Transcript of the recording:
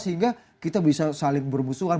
sehingga kita bisa saling bermusuhan